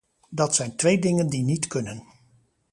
Dat zijn twee dingen die niet kunnen.